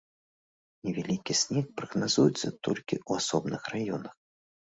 Невялікі снег прагназуецца толькі ў асобных раёнах.